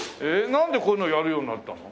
なんでこういうのをやるようになったの？